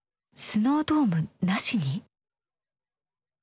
「スノードームなしに」？